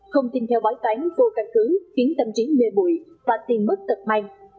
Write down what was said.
không tin theo bói toán vô căn cứ khiến tâm trí mê bụi và tiền mất tật mang